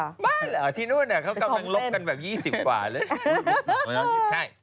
บ้าเหรอที่นั่นเนี่ยเขากำลังหลบกันแบบ๒๐กว่าเลย